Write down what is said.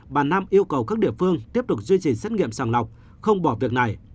bà nam yêu cầu các địa phương tiếp tục duy trì xét nghiệm sàng lọc không bỏ việc này